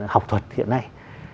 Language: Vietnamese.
học thuật hiện nay